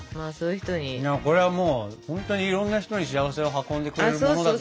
これはもうほんとにいろんな人に幸せを運んでくれるものだと思う。